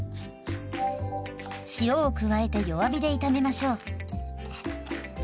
塩を加えて弱火で炒めましょう。